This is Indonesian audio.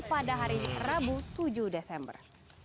pada hari rabu tujuh desember